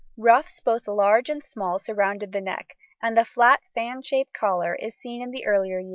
Ruffs both large and small surrounded the neck, and a flat fan shaped collar was seen in the earlier years.